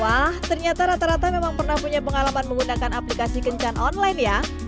wah ternyata rata rata memang pernah punya pengalaman menggunakan aplikasi kencan online ya